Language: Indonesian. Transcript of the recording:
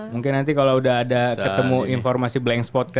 mungkin nanti kalau udah ada ketemu informasi blank spot